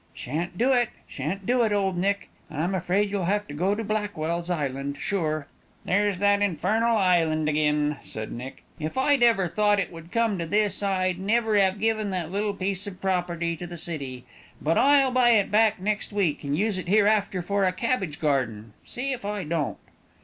"Shan't do it, shan't do it, Old Nick; and I'm afraid you'll have to go to Blackwell's Island, sure." "There's that infernal island again," said Nick; "if I'd ever thought it would come to this, I never'd have given that little piece of property to the city; but I'll buy it back next week, and use it hereafter for a cabbage garden; see if I don't."